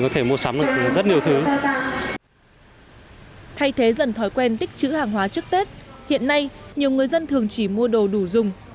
thay thế dần thói quen tích chữ hàng hóa trước tết hiện nay nhiều người dân thường chỉ mua đồ đủ dùng